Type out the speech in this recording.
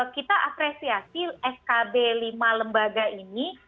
kita apresiasi skb lima lembaga ini